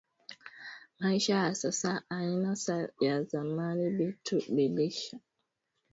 Maisha ya sasa aina sa ya zamani bitu bilisha badilika